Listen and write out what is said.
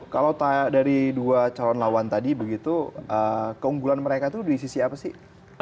kalau dari dua calon lawan tadi begitu keunggulan mereka itu di sisi apa sih